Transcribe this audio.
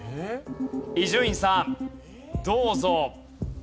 伊集院さんどうぞ。